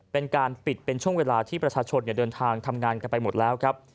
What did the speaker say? เป็นการปิดเป็นช่วงเวลาที่ประชาชนเดินทางทำงานกันไปหมดแล้วครับ